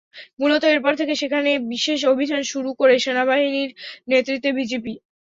মূলত এরপর থেকে সেখানে বিশেষ অভিযান শুরু করে সেনাবাহিনীর নেতৃত্বে বিজিপি।